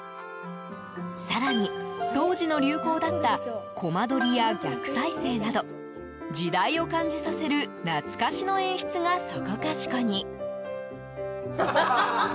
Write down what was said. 更に、当時の流行だったコマ撮りや逆再生など時代を感じさせる懐かしの演出がそこかしこに。